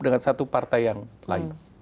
dengan satu partai yang lain